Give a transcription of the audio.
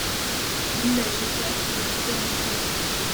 L'île a été le théâtre de plusieurs naufrages.